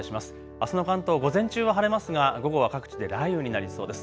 あすの関東、午前中は晴れますが午後は各地で雷雨になりそうです。